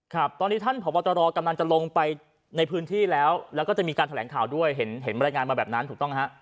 ครับตอนนี้ท่านผอบตรกำลังจะลงไปในพื้นที่แล้วแล้วก็จะมีการแถลงข่าวด้วยเห็นบรรยายงานมาแบบนั้นถูกต้องฮะ